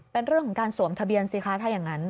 เป็นเรื่องของการสวมทะเบียนสิคะถ้าอย่างนั้น